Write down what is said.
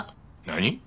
何？